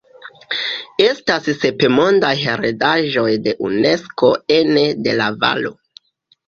Estas sep Mondaj heredaĵoj de Unesko ene de la valo.